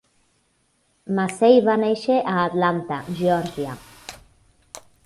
Massey va néixer a Atlanta, Geòrgia.